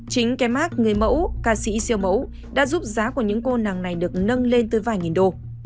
chính cái mark người mẫu ca sĩ siêu mẫu đã giúp giá của những cô nàng này được nâng lên tới vài nghìn đô